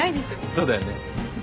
そうだよね。